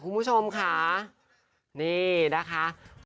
คุณผู้ชมค่ะนี่นะคะ